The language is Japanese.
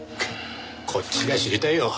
こっちが知りたいよ。